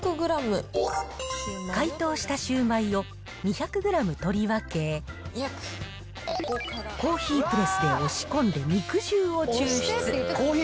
解凍したシュウマイを、２００グラム取り分け、コーヒープレスで押し込んで肉汁を抽出。